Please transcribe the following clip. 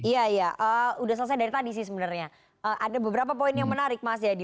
iya iya udah selesai dari tadi sih sebenarnya ada beberapa poin yang menarik mas jayadi